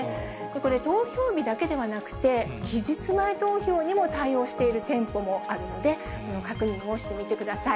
投票日だけではなくて、期日前投票にも対応している店舗もあるので、確認をしてみてください。